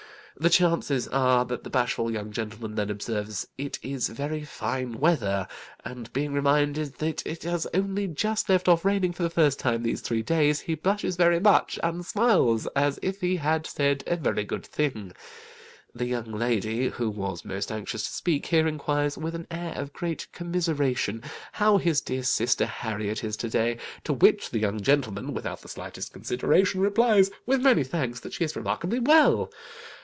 The chances are that the bashful young gentleman then observes it is very fine weather, and being reminded that it has only just left off raining for the first time these three days, he blushes very much, and smiles as if he had said a very good thing. The young lady who was most anxious to speak, here inquires, with an air of great commiseration, how his dear sister Harriet is to day; to which the young gentleman, without the slightest consideration, replies with many thanks, that she is remarkably well.